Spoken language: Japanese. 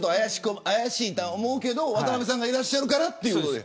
怪しいと思うけど、渡辺さんがいらっしゃるからって。